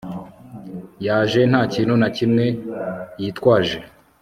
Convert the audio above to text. yaje ntakintu na kimwe hyitwaje